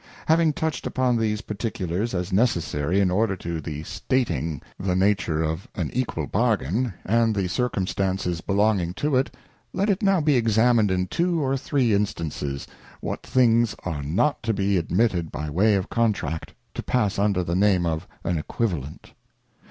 Having touched upon these particulars as necessary in order The Anatomy of an Equivalent. 117 order to the stating the nature of an equal Bargain, and the Circumstances belonging to it, let it now be examined in two or three instances, what things are not to be admitted by way of Contract, to pass under the Name of an Equivalent.